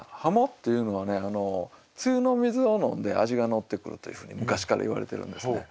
鱧っていうのはね梅雨の水を飲んで味がのってくるというふうに昔からいわれてるんですね。